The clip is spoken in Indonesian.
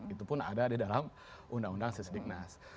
itu pun ada di dalam undang undang sisik nas